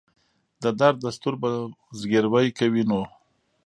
د درد دستور به زګیروی کوي نو.